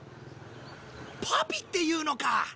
パピっていうのか！